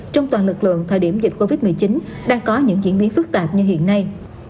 trong toàn lực lượng thời điểm dịch covid một mươi chín đang có những diễn biến phức tạp như hiện nay